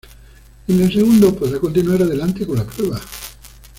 En el segundo podrá continuar adelante con la prueba.